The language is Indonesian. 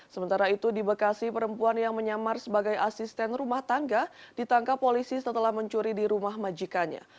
sementara itu di bekasi perempuan yang menyamar sebagai asisten rumah tangga ditangkap polisi setelah mencuri di rumah majikannya